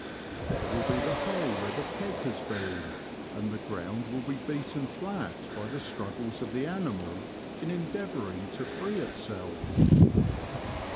There will be the hole where the peg has been, and the ground will be beaten flat by the struggles of the animal in endeavouring to free itself.